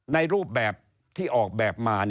ในรูปแบบที่ออกแบบมา